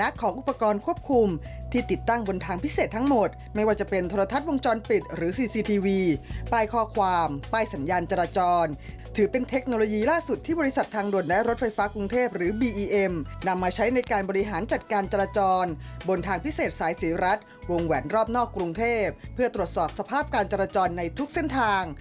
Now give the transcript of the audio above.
ก็จะไปกลับมากกว่ากรุงเทพเพื่อตรวจสอบสภาพการจรจรในทุกเส้นทาง